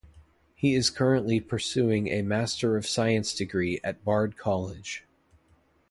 He is currently pursuing a master of science degree at Bard College.